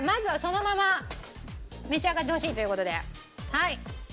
はい。